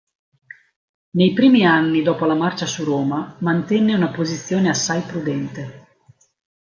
Nei primi anni dopo la marcia su Roma mantenne una posizione assai prudente.